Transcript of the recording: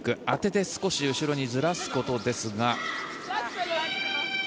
当てて少し後ろにずらすことですが。